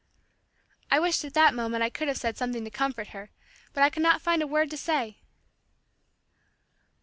I wished at that moment I could have said something to comfort her but I could not find a word to say.